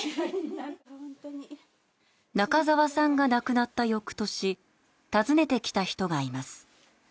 中沢さんが亡くなった翌年訪ねてきた人がいます。